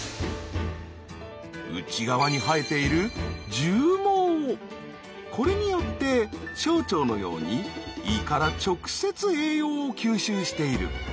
内側に生えているこれによって小腸のように胃から直接栄養を吸収している。